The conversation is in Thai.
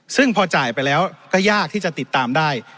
ซึ่งพอจ่ายไปแล้วก็ยากที่จะติดตามได้